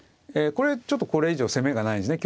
これちょっとこれ以上攻めがないですね。